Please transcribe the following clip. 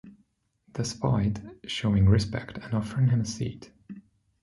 despite showing respect and offering him a seat